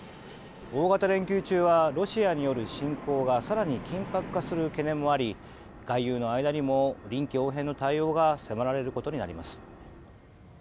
大型連休中はロシアによる侵攻が更に緊迫化する懸念もあり外遊の間にも臨機応変の対応が迫られることになります。